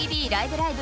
ライブ！」